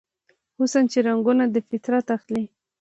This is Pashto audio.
حسن چې رنګونه دفطرت اخلي